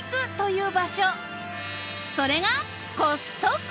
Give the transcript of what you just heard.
それが］